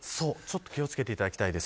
気を付けていただきたいです。